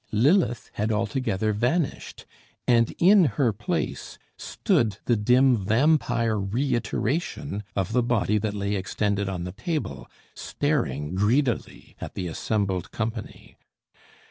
Lilith had altogether vanished, and in her place stood the dim vampire reiteration of the body that lay extended on the table, staring greedily at the assembled company.